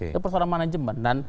itu persoalan manajemen